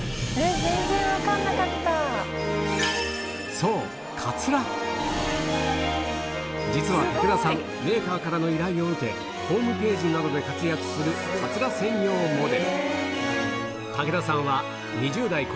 そう実は武田さんメーカーからの依頼を受けホームページなどで活躍するちょっと今イチ。